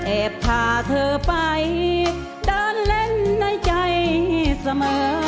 พาเธอไปเดินเล่นในใจเสมอ